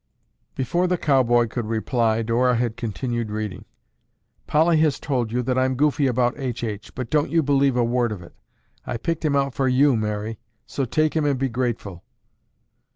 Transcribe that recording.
Before the cowboy could reply Dora had continued reading, "Polly has told you that I'm goofy about H. H. but don't you believe a word of it. I picked him out for you, Mary, so take him and be grateful."